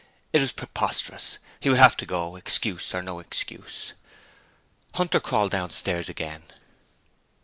It was preposterous: he would have to go, excuse or no excuse. Hunter crawled downstairs again.